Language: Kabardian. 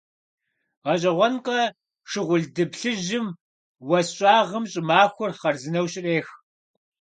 ГъэщӀэгъуэнкъэ, шыгъулды плъыжьым уэс щӀагъым щӀымахуэр хъарзынэу щрех.